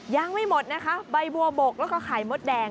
ยังไม่หมดนะคะใบบัวบกแล้วก็ไข่มดแดง